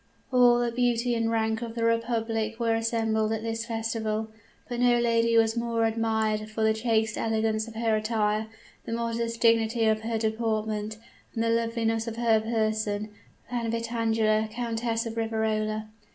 All the beauty and rank of the republic were assembled at this festival; but no lady was more admired for the chaste elegance of her attire, the modest dignity of her deportment, and the loveliness of her person, than Vitangela, Countess of Riverola.